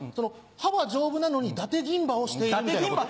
歯は丈夫なのにだて銀歯をしているみたいな？